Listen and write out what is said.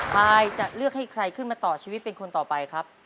พายจะเลือกให้ใครขึ้นมาต่อชีวิตเป็นคนต่อไปครับ